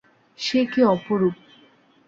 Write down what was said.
সে কী অপরূপ!